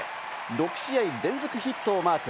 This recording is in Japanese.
６試合連続ヒットをマーク。